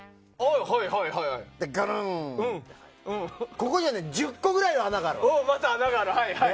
ここにも１０個ぐらいの穴がある。